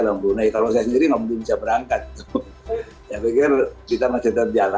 yang berhubungan kalau saya sendiri ngomong bisa berangkat ya pikir kita masih terjalan program jalan juga ya